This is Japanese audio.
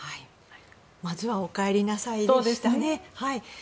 まずはお帰りなさいでしたね。